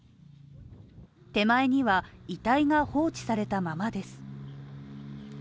手前には遺体が放置されたままです。